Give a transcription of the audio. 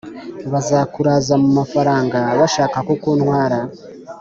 Bazakuraza mumafaranga bashaka kukuntwara